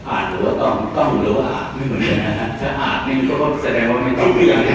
อาจรู้ว่าก็ผมรู้อ่ะถ้าอาจไม่รู้ก็แสดงว่าไม่จริง